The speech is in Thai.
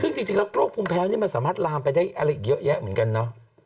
ซึ่งจริงแล้วโรคภูมิแพ้วนี่มันสามารถลามไปได้อะไรอีกเยอะแยะเหมือนกันเนอะ